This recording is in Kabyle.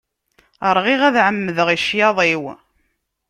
Rɣiɣ, ad ɛemmdeɣ i ccyaḍ-iw.